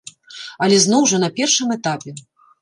Але зноў жа, на першым этапе.